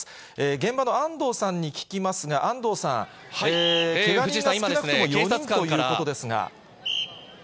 現場の安藤さんに聞きますが、安藤さん、けが人が少なくとも４人ということですが。